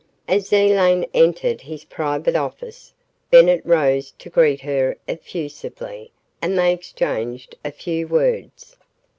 As Elaine entered his private office, Bennett rose to greet her effusively and they exchanged a few words.